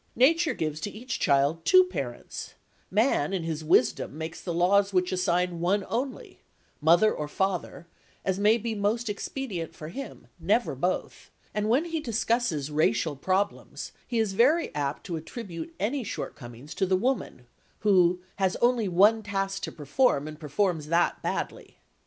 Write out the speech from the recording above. Nature gives to each child two parents; man in his wisdom makes the laws which assign one only, mother or father, as may be most expedient for him,—never both,—and when he discusses racial problems, he is very apt to attribute any shortcomings to the woman, who "has only one task to perform and performs that badly."